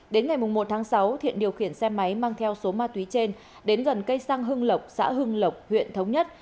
đến ngày một tháng sáu thiện điều khiển xe máy mang theo số ma túy trên đến gần cây xăng hưng lộc xã hưng lộc huyện thống nhất